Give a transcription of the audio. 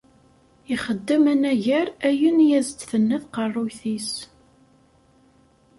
Ixeddem anagar ayen i as-d-tenna tqerruyt-is.